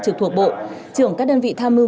trực thuộc bộ trưởng các đơn vị tham mưu